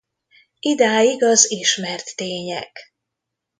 Idáig az ismert tények.